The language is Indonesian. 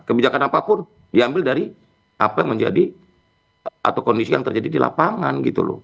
kebijakan apapun diambil dari apa yang menjadi atau kondisi yang terjadi di lapangan gitu loh